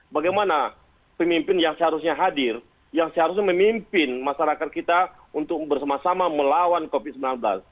bagaimana pemimpin yang seharusnya hadir yang seharusnya memimpin masyarakat kita untuk bersama sama melawan covid sembilan belas